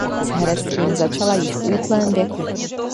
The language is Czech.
S herectvím začala již v útlém věku.